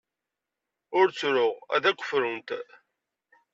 Ur ttru. Ad akk frunt.